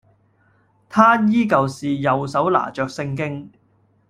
他依舊是右手拿著聖經